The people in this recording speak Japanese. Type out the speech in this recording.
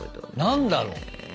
何だろう。